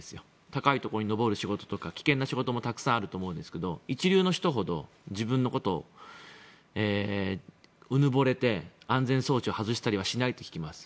高いところに上るところとか危険な仕事もたくさんあると思うんですが一流の人ほど自分のことをうぬぼれて安全装置を外したりはしないと聞きます。